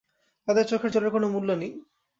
তাঁদের চোখের জলের কোনো মূল্য নেই।